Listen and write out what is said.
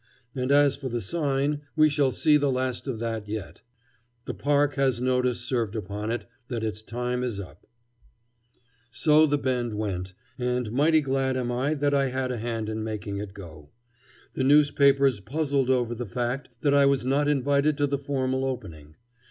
And as for the sign, we shall see the last of that yet. The park has notice served upon it that its time is up. [Illustration: The Mulberry Bend as it is.] So the Bend went, and mighty glad am I that I had a hand in making it go. The newspapers puzzled over the fact that I was not invited to the formal opening.